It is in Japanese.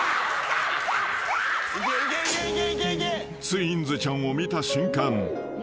［ツインズちゃんを見た瞬間］